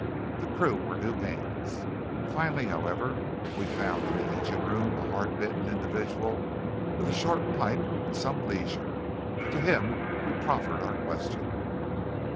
The crew were new hands. Finally, however, we found in the engine room a hard bitten individual with a short pipe and some leisure. To him we proffered our question.